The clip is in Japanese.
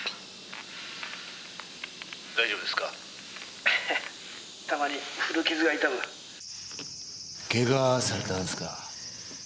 「大丈夫ですか？」「ハハたまに古傷が痛む」ケガされたんですか？